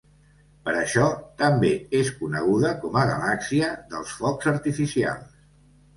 Per això també és coneguda com a Galàxia dels Focs Artificials.